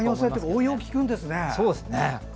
応用が利くんですね。